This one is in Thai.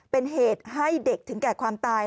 เป็นเหตุให้เด็กถึงแก่ความตาย